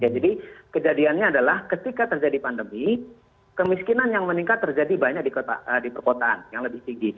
jadi kejadiannya adalah ketika terjadi pandemi kemiskinan yang meningkat terjadi banyak di perkotaan yang lebih tinggi